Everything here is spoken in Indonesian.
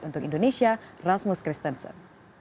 untuk indonesia rasmus christensen